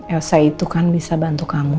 elsa itu kan bisa bantu kamu